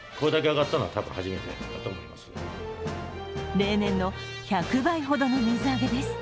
例年の１００倍ほどの水揚げです。